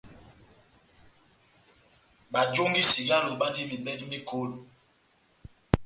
Bajongi cigalo bandi mebèdi mekolo.